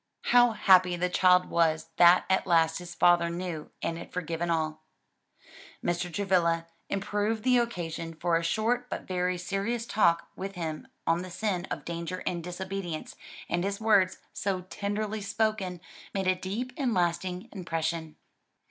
How happy the child was that at last his father knew and had forgiven all. Mr. Travilla improved the occasion for a short but very serious talk with him on the sin and danger of disobedience, and his words, so tenderly spoken, made a deep and lasting impression.